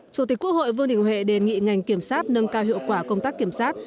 chủ tịch quốc hội vương đình huệ đề nghị ngành kiểm sát nâng cao hiệu quả công tác kiểm soát